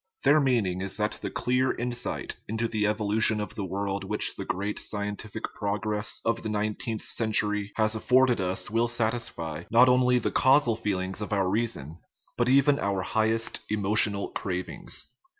Their mean ing is that the clear insight into the evolution of the world which the great scientific progress of the nine teenth century has afforded us will satisfy, not only, the causal feeling of our reason, but even our highest emotional cravings.